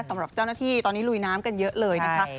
สำหรับเจ้าหน้าที่ตอนนี้ลุยน้ำกันเยอะเลยนะคะ